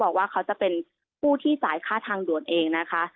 บอกว่าเขาจะเป็นผู้ที่จ่ายค่าทางด่วนเองนะคะ